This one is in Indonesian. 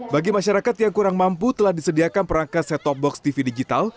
bagi masyarakat yang kurang mampu telah disediakan perangkat set top box tv digital